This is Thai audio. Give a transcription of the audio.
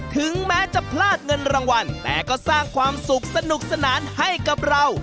ถึงแม้จะพลาดเงินรางวัลแต่ก็สร้างความสุขสนุกสนานให้กับเรา